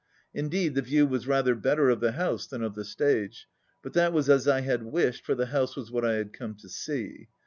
Indeed, the view was rather better of the house than of the stage. But that was as I had wished, for the house was what I had come to see.